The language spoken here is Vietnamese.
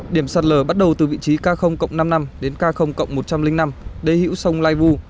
điểm sạt lở bắt đầu từ vị trí k năm mươi năm đến k một trăm linh năm đê hữu sông lai vu